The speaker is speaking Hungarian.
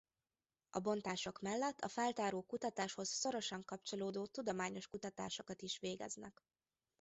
A bontások mellett a feltáró kutatáshoz szorosan kapcsolódó tudományos kutatásokat is végeznek.